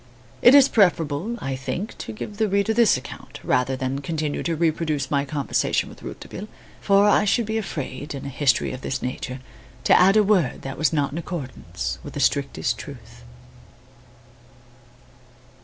It is preferable, I think, to give the reader this account, rather than continue to reproduce my conversation with Rouletabille; for I should be afraid, in a history of this nature, to add a word that was not in accordance with the strictest truth.